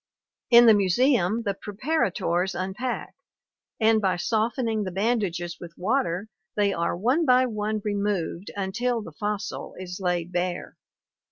In the museum the preparators unpack, and by softening the bandages with water they are one by one removed until the fossil is laid bare.